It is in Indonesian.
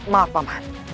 maaf pak mas